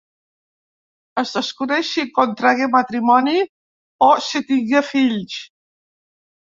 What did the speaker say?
Es desconeix si contragué matrimoni o si tingué fills.